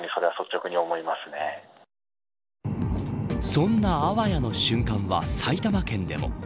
そんな、あわやの瞬間は埼玉県でも。